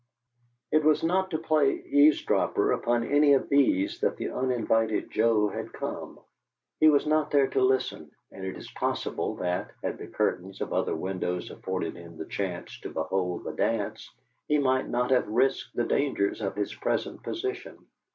It was not to play eavesdropper upon any of these that the uninvited Joe had come. He was not there to listen, and it is possible that, had the curtains of other windows afforded him the chance to behold the dance, he might not have risked the dangers of his present position.